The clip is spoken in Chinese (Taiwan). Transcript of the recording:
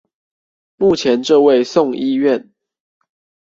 目前這位送醫院